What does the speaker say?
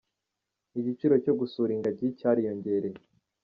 Igiciro cyo gusura ingagi cyariyongereye